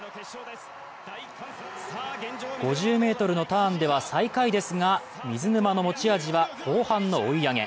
５０ｍのターンでは最下位ですが、水沼の持ち味は後半の追い上げ。